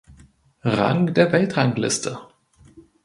Rang der Weltrangliste.